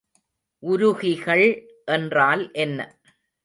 உருகிகள் என்றால் என்ன?